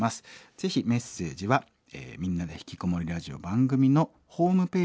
ぜひメッセージは「みんなでひきこもりラジオ」番組のホームページにあります